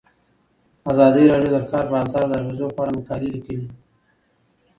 ازادي راډیو د د کار بازار د اغیزو په اړه مقالو لیکلي.